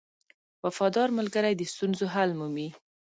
• وفادار ملګری د ستونزو حل مومي.